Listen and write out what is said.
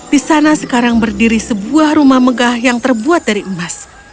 di sana sekarang berdiri sebuah rumah megah yang terbuat dari emas